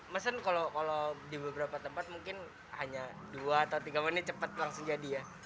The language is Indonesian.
mesen kalau di beberapa tempat mungkin hanya dua atau tiga menit cepat langsung jadi ya